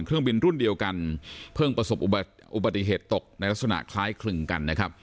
เครื่องบินรุ่นเดียวกันเพิ่งประสบอุบัติเหตุตกในลักษณะคล้ายคลึงกันนะครับ